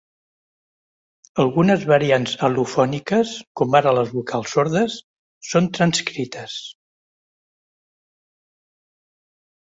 Algunes variants al·lofòniques, com ara les vocals sordes, són transcrites.